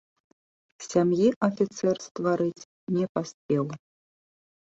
Сям'і афіцэр стварыць не паспеў.